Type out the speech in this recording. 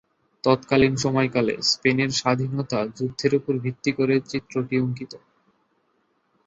তৎকালীন সময়কালে স্পেনের স্বাধীনতা যুদ্ধের উপর ভিত্তি করে চিত্রটি অঙ্কিত।